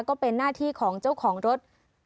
ก็เป็นหน้าที่ของเจ้าของรถ